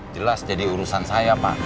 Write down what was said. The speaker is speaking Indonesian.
jelas jadi urusan saya pak